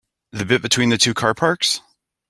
The bit between the two car parks?